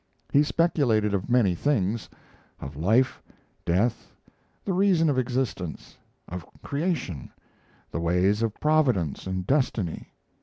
He speculated of many things: of life, death, the reason of existence, of creation, the ways of Providence and Destiny.